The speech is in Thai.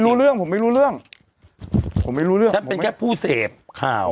เห็นไปรู้เรื่องถ้าเป็นแค่ผู้เสพข้าว